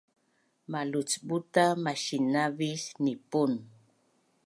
malucbuta masinavis nipun